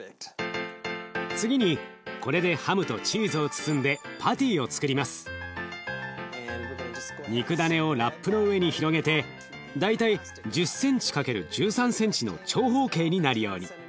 次にこれでハムとチーズを包んで肉だねをラップの上に広げて大体１０センチ×１３センチの長方形になるように。